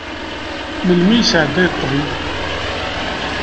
Melmi yesɛedday ṭṭbib?